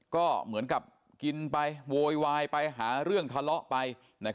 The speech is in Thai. ก็เหมือนกับกินไปโวยวายไปหาเรื่องทะเลาะไป